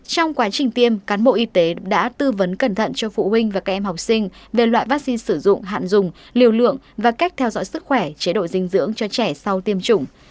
trong quá trình tiêm cán bộ y tế đã tư vấn cẩn thận cho phụ huynh và các em học sinh về loại vaccine sử dụng hạn dùng liều lượng và cách theo dõi sức khỏe chế độ dinh dưỡng cho trẻ sau tiêm chủng